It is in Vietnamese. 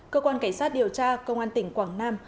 cơ quan cảnh sát điều tra công an tỉnh quảng nam